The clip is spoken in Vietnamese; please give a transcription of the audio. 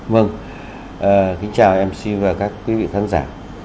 vâng kính chào mc và các quý vị khán giả